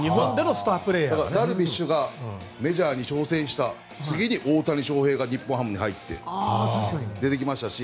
ダルビッシュがメジャーに挑戦した次に大谷翔平が日本ハムに入って出てきましたし。